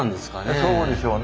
そうでしょうね。